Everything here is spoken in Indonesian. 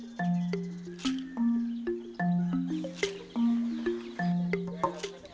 ya laki laki lebih gampang